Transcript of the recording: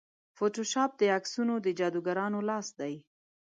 فوټوشاپ د عکسونو د جادوګرانو لاس دی.